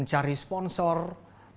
ini dari siapapun yang ada